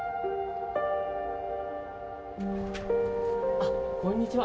あっこんにちは。